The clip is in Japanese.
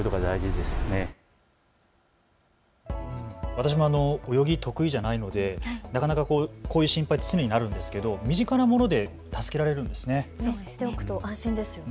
私、泳ぎ、得意じゃないのでなかなかこういう心配って常にあるですけれども身近なもので助けられるんですね。